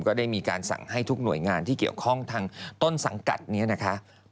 ก็ได้มีการสั่งให้ทุกหน่วยงานที่เกี่ยวข้องทางต้นสังกัดนี้นะคะ